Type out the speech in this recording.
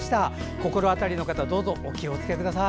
心当たりの方、どうぞお気をつけください。